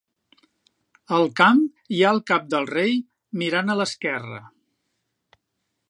Al camp hi ha el cap del rei, mirant a l'esquerra.